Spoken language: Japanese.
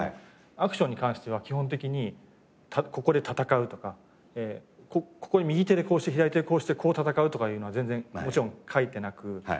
アクションに関しては基本的に「ここで戦う」とか「ここで右手でこうして左手でこうしてこう戦う」とかいうのは全然もちろん書いてなく。